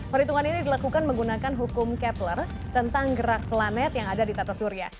perhitungan ini dilakukan menggunakan hukum capler tentang gerak planet yang ada di tata surya